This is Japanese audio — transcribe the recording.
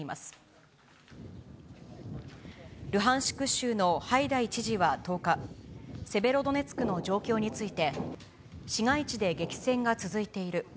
州のハイダイ知事は１０日、セベロドネツクの状況について、市街地で激戦が続いている。